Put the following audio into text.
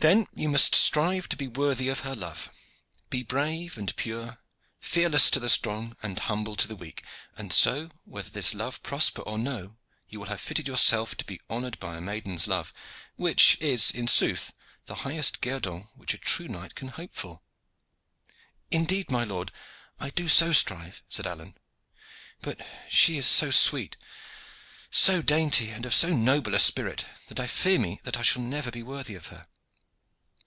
"Then must you strive to be worthy of her love. Be brave and pure, fearless to the strong and humble to the weak; and so, whether this love prosper or no, you will have fitted yourself to be honored by a maiden's love, which is, in sooth, the highest guerdon which a true knight can hope for." "Indeed, my lord, I do so strive," said Alleyne; "but she is so sweet, so dainty, and of so noble a spirit, that I fear me that I shall never be worthy of her."